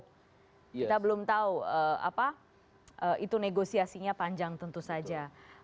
kita belum tahu apa itu negosiasinya panjang tentu saja